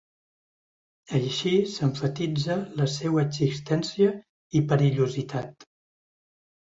Així s’emfatitza la seua existència i perillositat.